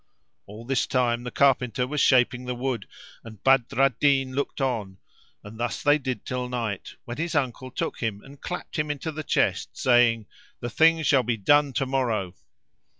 All this time the carpenter was shaping the wood and Badr al Din looked on; and thus they did till night, when his uncle took him and clapped him into the chest, saying, "The thing shall be done to morrow!"